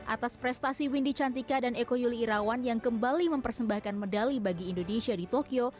atas prestasi windy cantika dan eko yuli irawan yang kembali mempersembahkan medali bagi indonesia di tokyo